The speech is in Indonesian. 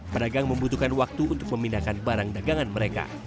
pedagang membutuhkan waktu untuk memindahkan barang dagangan mereka